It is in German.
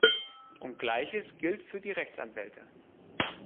Und gleiches gilt für die Rechtsanwälte.